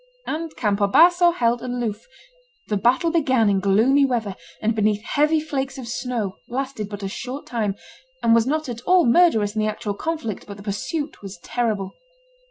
And Campo Basso held aloof. The battle began in gloomy weather, and beneath heavy flakes of snow, lasted but a short time, and was not at all murderous in the actual conflict, but the pursuit was terrible.